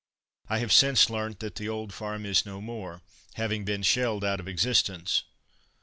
I have since learnt that that old farm is no more, having been shelled out of existence.